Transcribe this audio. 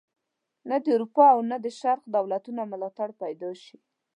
نه د اروپا او نه د شرق دولتونو ملاتړ پیدا شي.